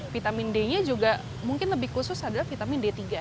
vitamin d nya juga mungkin lebih khusus adalah vitamin d tiga